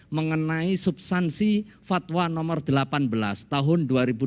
mengenai substansi fatwa nomor delapan belas tahun dua ribu dua puluh